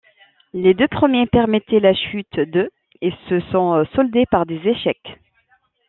Les deux premiers permettaient la chute de et se sont soldés par des échecs.